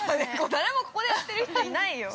誰もここでやってる人いないよ！